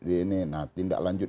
ini nah tindak lanjut